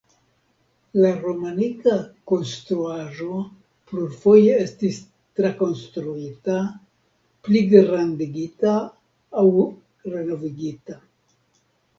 La romanika konstruaĵo plurfoje estis trakonstruita, pligrandigita aŭ renovigita.